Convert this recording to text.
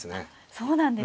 そうなんですね。